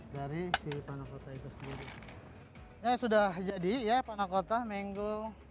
dari si panakota itu sendiri ya sudah jadi ya panakota menggo